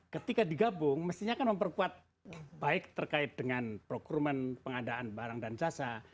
ketika digabung mestinya akan memperkuat baik terkait dengan procurement pengadaan barang dan jasa